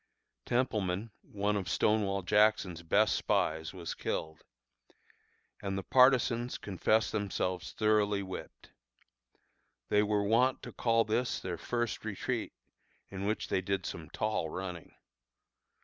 Templeman, one of Stonewall Jackson's best spies, was killed; and the partisans confessed themselves thoroughly whipped. They were wont to call this their first retreat, in which they did some tall running.